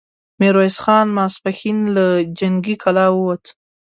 ميرويس خان ماسپښين له جنګي کلا ووت،